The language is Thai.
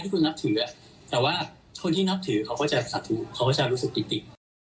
แต่ว่าคนที่นับถือเขาก็จะรู้สึกติด